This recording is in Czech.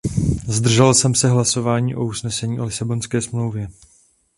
Zdržel jsem se hlasování o usnesení o Lisabonské strategii.